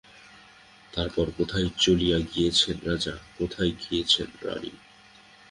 তারপর কোথায় চলিয়া গিয়াছেন রাজা, কোথায় গিয়াছেন রানী!